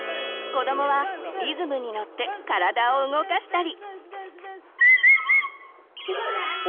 子どもはリズムにのって体を動かしたり。